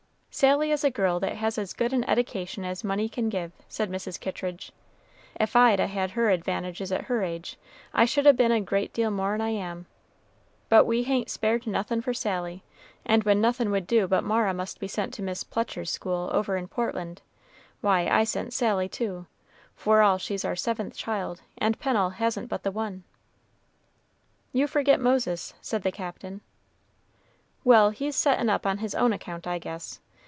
"Sally is a girl that has as good an eddication as money can give," said Mrs. Kittridge. "If I'd a had her advantages at her age, I should a been a great deal more'n I am. But we ha'n't spared nothin' for Sally; and when nothin' would do but Mara must be sent to Miss Plucher's school over in Portland, why, I sent Sally too for all she's our seventh child, and Pennel hasn't but the one." "You forget Moses," said the Captain. "Well, he's settin' up on his own account, I guess.